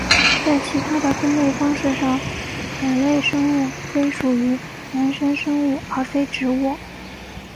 在其他的分类方式上本类生物归属于原生生物而非植物。